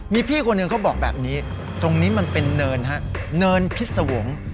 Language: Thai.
มีพี่คนหนึ่งเขาบอกแบบนี้ตรงนี้มันเป็นเนินฮะเนินพิษวงศ์